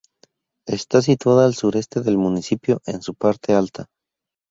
Está situada al sureste del municipio, en su parte alta.